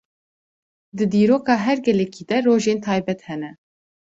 Di dîroka her gelekî de rojên taybet hene.